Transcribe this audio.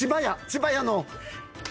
千葉屋の。